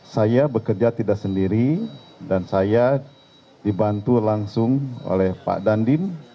saya bekerja tidak sendiri dan saya dibantu langsung oleh pak dandim